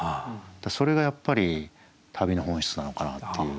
それがやっぱり旅の本質なのかなっていう。